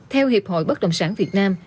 theo hiệp hội bất đồng sản việt nam